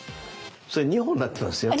それ２本になってますよ。